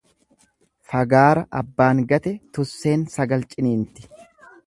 Fagaara abbaan gate tusseen sagal ciniinti.